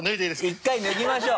１回脱ぎましょう。